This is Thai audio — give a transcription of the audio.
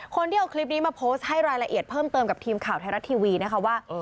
คนที่เอาคลิปนี้มาโพสต์ให้รายละเอียดเพิ่มเติมกับทีมข่าวไทยรัฐทีวีนะคะว่า